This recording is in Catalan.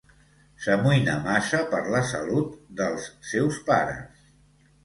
S'amoïna massa per la salut dels seus pares.